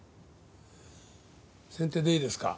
先手でいいですか？